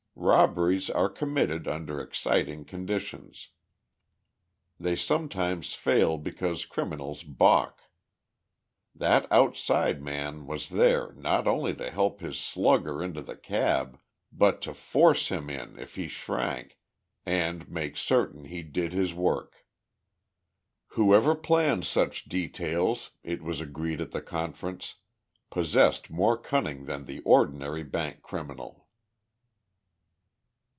Robberies are committed under exciting conditions. They sometimes fail because criminals balk. That outside man was there not only to help his "slugger" into the cab, but to force him in if he shrank, and make certain he did his work. Whoever planned such details, it was agreed at the conference, possessed more cunning than the ordinary bank criminal.